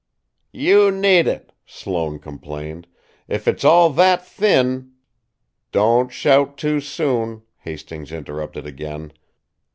"You need it," Sloane complained. "If it's all that thin " "Don't shout too soon," Hastings interrupted again.